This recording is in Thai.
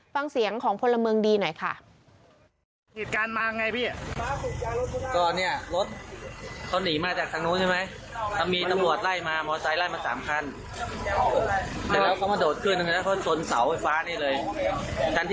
ฟังเสียงของพลเมืองดีหน่อยค่ะ